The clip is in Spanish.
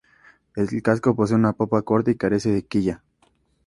El casco posee una popa corta y carece de quilla.